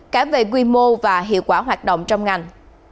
cả về quy mô và hiệu quả hoạt động trong ngành